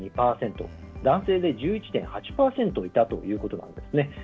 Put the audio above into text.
男性で１１．８％いたということなんですね。